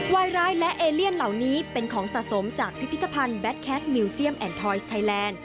วายร้ายและเอเลียนเหล่านี้เป็นของสะสมจากพิพิธภัณฑ์แบทแคทมิวเซียมแอนดทอยสไทยแลนด์